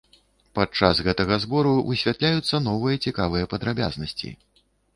Падчас гэтага збору высвятляюцца новыя цікавыя падрабязнасці.